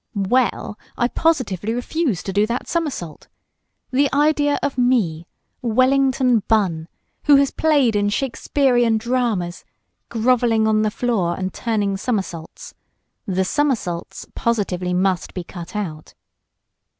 "Well, I positively refuse to do that somersault! The idea of me Wellington Bunn who has played in Shakespearean dramas, groveling on the floor and turning somersaults! The somersaults positively must be cut out."